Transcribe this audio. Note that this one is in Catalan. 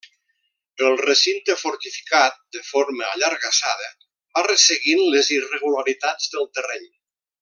El recinte fortificat, de forma allargassada, va resseguint les irregularitats del terreny.